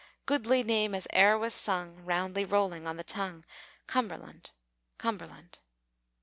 Goodly name as e'er was sung, Roundly rolling on the tongue Cumberland! Cumberland!